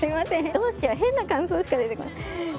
どうしよう変な感想しか出てこない。